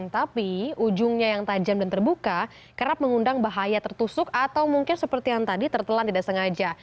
tapi ujungnya yang tajam dan terbuka kerap mengundang bahaya tertusuk atau mungkin seperti yang tadi tertelan tidak sengaja